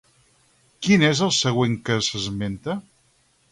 Quin és el següent que s'esmenta?